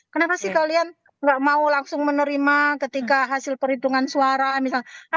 kenapa sih kalian nggak mau langsung menerima ketika hasil perhitungan suara misalnya